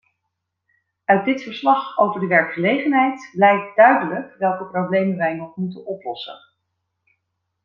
Uit dit verslag over de werkgelegenheid blijkt duidelijk welke problemen wij nog moeten oplossen.